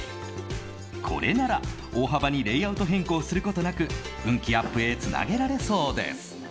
これなら、大幅にレイアウト変更することなく運気アップへつなげられそうです。